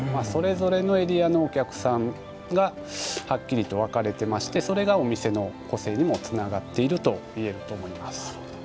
それぞれのエリアのお客さんがはっきりと分かれてましてそれがお店の個性にもつながっていると言えると思います。